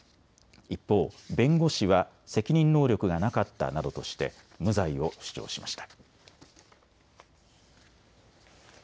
一方、弁護士は責任能力がなかったなどとして無罪を主張しました。